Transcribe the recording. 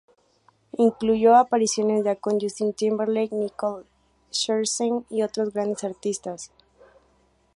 Incluyó apariciones de Akon, Justin Timberlake, Nicole Scherzinger, y otros grandes artistas.